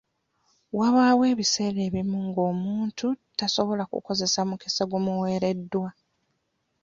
Wabaawo ebiseera ebimu nga omuntu tasobola kukozesa mukisa gumuweereddwa.